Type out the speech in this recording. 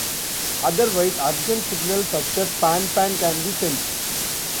Otherwise, urgent signals such as pan-pan can be sent.